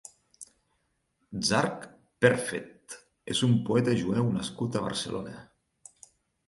Zark Perfet és un poeta jueu nascut a Barcelona.